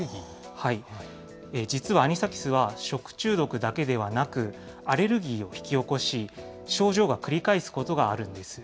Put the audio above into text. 実はアニサキスは、食中毒だけではなく、アレルギーを引き起こし、症状が繰り返すことがあるんです。